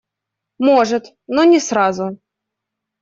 Может, но не сразу.